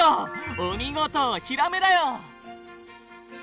お見事ヒラメだよ。